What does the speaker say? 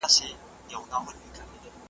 نو ګوربت ایله آګاه په دې اسرار سو .